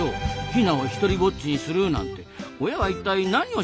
ヒナを独りぼっちにするなんて親は一体何をしてるんですか！